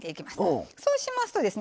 そうしますとですね